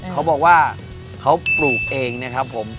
เขาบอกว่าเขาปลูกเองนะครับผม